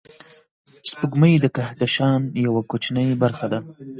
سپوږمۍ د کهکشان یوه کوچنۍ برخه ده